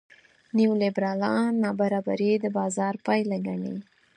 نیولېبرالان نابرابري د بازار پایله ګڼي.